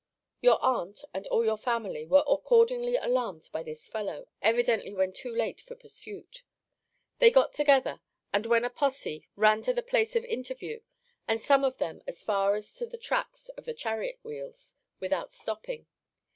Your aunt and all your family were accordingly alarmed by this fellow evidently when too late for pursuit. They got together, and when a posse, ran to the place of interview; and some of them as far as to the tracks of the chariot wheels, without stopping.